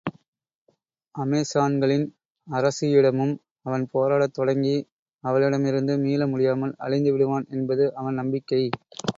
அமெசான்களின் அரசியிடமும் அவன் போராடத் தொடங்கி, அவளிடமிருந்து மீள முடியாமல் அழிந்துவிடுவான் என்பது அவன் நம்பிக்கை.